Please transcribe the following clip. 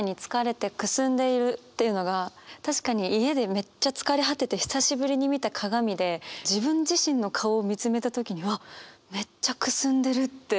確かに家でめっちゃ疲れ果てて久しぶりに見た鏡で自分自身の顔を見つめた時にって思ったことあると思って。